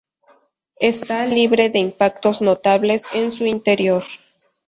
Está libre de impactos notables en su interior.